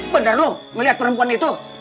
bener lo ngeliat perempuan itu